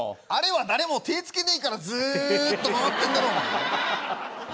あれは誰も手付けねえからずーっと回ってんだろおめえ。